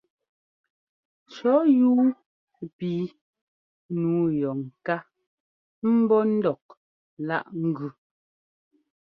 Cɔ̌ yúu píi nǔu yɔ ŋká ḿbɔ́ ńdɔk láꞌ ŋ́gʉ.